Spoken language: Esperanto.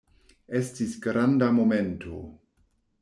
Estis granda momento!